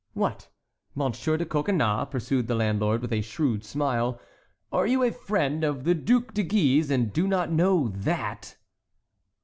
"What, Monsieur de Coconnas," pursued the landlord, with a shrewd smile, "are you a friend of the Duc de Guise, and do not know that?"